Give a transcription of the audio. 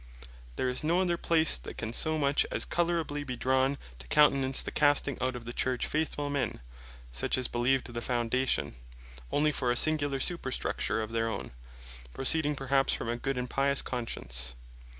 There is no other place that can so much as colourably be drawn, to countenance the Casting out of the Church faithfull men, such as beleeved the foundation, onely for a singular superstructure of their own, proceeding perhaps from a good & pious conscience.